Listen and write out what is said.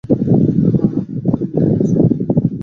হা-না, তুমি ঠিক আছ?